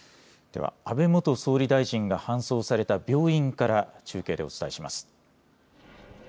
では安倍元総理大臣が搬送された病院から中継でお伝えします。